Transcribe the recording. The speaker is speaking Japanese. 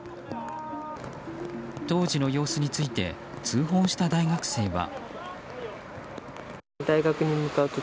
当時の様子について通報した大学生は。